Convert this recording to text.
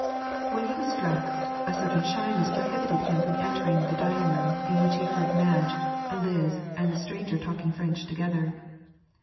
When he was dressed a certain shyness prohibited him from entering the dining room in which he heard Madge, Eliz, and the stranger talking French together.